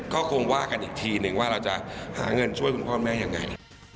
ก็คงว่ากันอีกทีนึงว่าเราจะหาเงินช่วยคุณพ่อแม่ยังไง